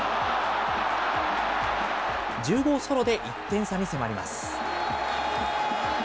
１０号ソロで１点差に迫ります。